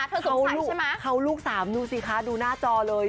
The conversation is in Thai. เธอสงสัยใช่ไหมเขาลูกสามดูสิคะดูหน้าจอเลย